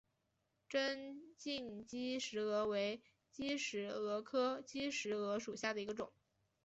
针茎姬石蛾为姬石蛾科姬石蛾属下的一个种。